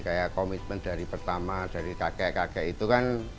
kayak komitmen dari pertama dari kakek kakek itu kan